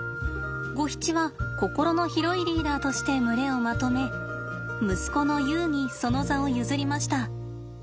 ゴヒチは心の広いリーダーとして群れをまとめ息子のユウにその座を譲りました。